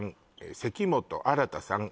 関本創さん